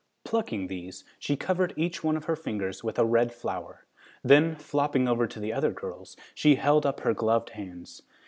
Plucking these, she covered each one of her fingers with a red flower. Then, flopping over to the other girls, she held up her gloved hands.